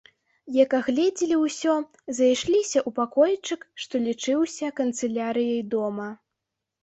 Як агледзелі ўсё, зайшліся ў пакойчык, што лічыўся канцылярыяй дома.